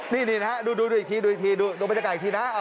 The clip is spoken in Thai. นี่ดูดูดูอีกทีดูไปจัดการอีกทีนะ